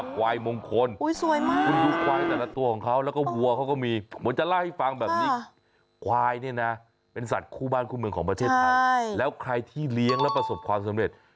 ควายเนี่ยนะเป็นสัตว์คู่บ้านคู่เมืองของประเทศไทยแล้วใครที่เลี้ยงแล้วประสบความสำเร็จ